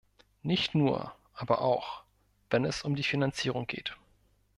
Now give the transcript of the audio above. Nicht nur, aber auch, wenn es um die Finanzierung geht.